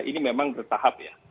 ini memang bertahap ya